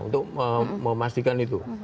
untuk memastikan itu